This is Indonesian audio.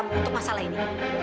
untuk masalah ini